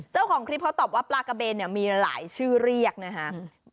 เจ้าของคลิปเขาตอบว่าปลากระเบนเนี่ยมีหลายชื่อเรียกนะฮะ